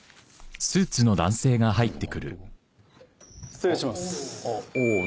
失礼します。